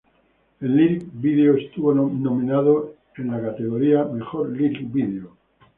El lyric video estuvo nominado en el en la categoría -"Mejor Lyric Video".